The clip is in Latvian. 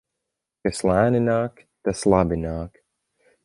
Kas lēni nāk, tas labi nāk.